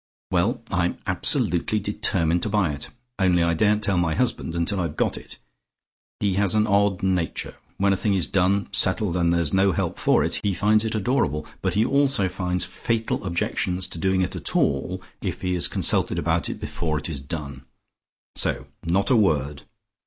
"Well, I'm absolutely determined to buy it, only I daren't tell my husband until I've done it. He has an odd nature. When a thing is done, settled, and there's no help for it, he finds it adorable, but he also finds fatal objections to doing it at all, if he is consulted about it before it is done. So not a word!